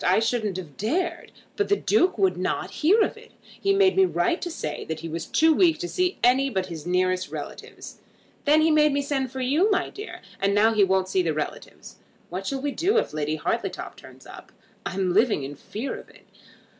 I shouldn't have dared. But the Duke would not hear of it. He made me write to say that he was too weak to see any but his nearest relatives. Then he made me send for you, my dear; and now he won't see the relatives. What shall we do if Lady Hartletop turns up? I'm living in fear of it.